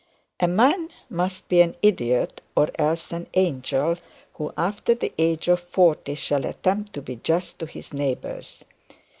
A man must be an idiot or else an angel, who, after the age of forty shall attempt to be just to his neighbours.